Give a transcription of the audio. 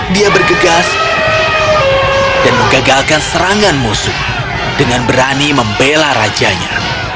dia bergegas dan menggagalkan serangan musuh dengan berani membela rajanya